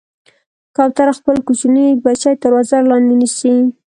کوتره خپل کوچني بچي تر وزر لاندې نیسي.